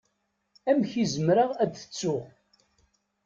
Amek i zemreɣ ad t-ttuɣ?